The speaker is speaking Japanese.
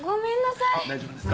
大丈夫ですか？